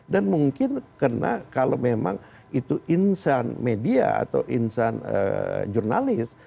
dan mungkin kena kalau memang itu insan media atau insan jurnalis